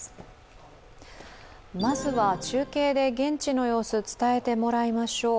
まずは中継で現地の様子、伝えてもらいましょう。